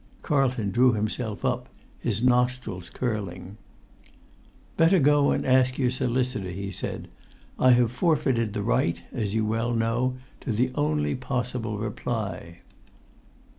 Carlton drew himself up, his nostrils curling. "Better go and ask your solicitor," he said. "I have forfeited the right—as you so well know—to the only possible reply."